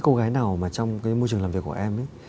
có những cô gái nào mà trong cái môi trường làm việc của em ấy